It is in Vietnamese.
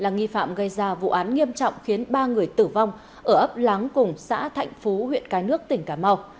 nghi phạm gây ra vụ án nghiêm trọng khiến ba người tử vong ở ấp láng cùng xã thạnh phú huyện cái nước tỉnh cà mau